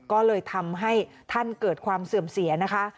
ก็เลยทำให้ท่านเกิดความเสื่อมเสียนะคะ